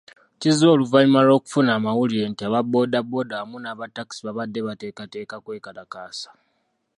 Kize oluvannyuma lw'okufuna amawulire nti aba boda boda wamu naba takisi babadde bateekateeka kwekalakaasa.